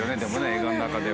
映画の中では。